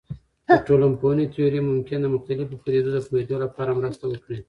د ټولنپوهنې تیورۍ ممکن د مختلفو پدیدو د پوهیدو لپاره مرسته وکړي.